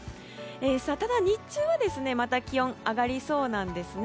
ただ日中は、また気温が上がりそうなんですね。